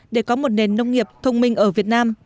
để có một nền nông nghiệp thông minh ở việt nam